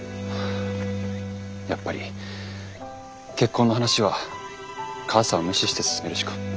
やっぱり結婚の話は母さんを無視して進めるしか。